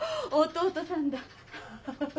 弟さんだ。